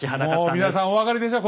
もう皆さんお分かりでしょ？